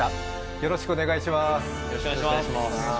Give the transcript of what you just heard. よろしくお願いします